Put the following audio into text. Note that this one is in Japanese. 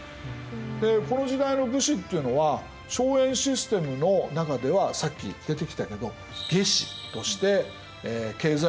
でこの時代の武士っていうのは荘園システムの中ではさっき出てきたけど下司として経済力を蓄えていった。